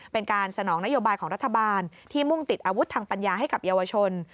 เป็นการสนองนโยบายของรัฐบาลที่มุ่งติดอาวุธทางปัญญาให้กับเยาวชน